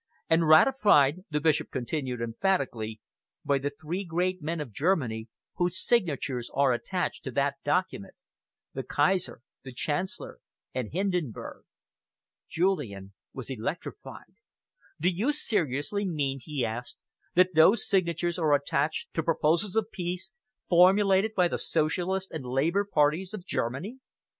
"And ratified," the Bishop continued emphatically, "by the three great men of Germany, whose signatures are attached to that document the Kaiser, the Chancellor and Hindenburg." Julian was electrified. "Do you seriously mean," he asked, "that those signatures are attached to proposals of peace formulated by the Socialist and Labour parties of Germany?"